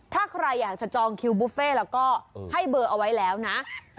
ถ้าใครอยากจะจองคิวบุฟเฟ่แล้วก็ให้เบอร์เอาไว้แล้วนะ